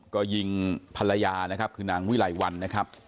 ก็ยิงภรรยานะครับคือนางวิไลวันนะครับ